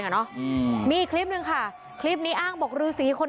พ่อปู่ฤาษีเทพนรสิงค่ะมีเฮ็ดโฟนเหมือนเฮ็ดโฟน